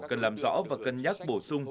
cần làm rõ và cân nhắc bổ sung